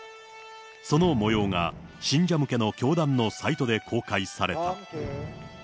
そのもようが、信者向けの教団のサイトで公開された。